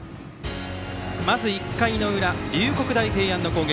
１回の裏、龍谷大平安の攻撃。